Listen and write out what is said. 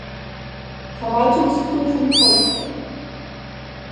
Verwaltungsprüfung folgte.